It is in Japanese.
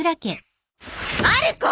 まる子！